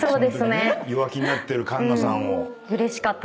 弱気になってる環奈さんを。